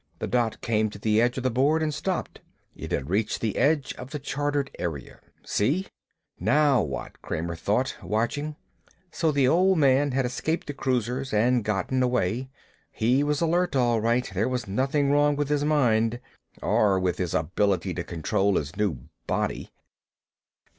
The dot came to the edge of the board and stopped. It had reached the limit of the chartered area. "See?" Now what? Kramer thought, watching. So the Old Man had escaped the cruisers and gotten away. He was alert, all right; there was nothing wrong with his mind. Or with his ability to control his new body.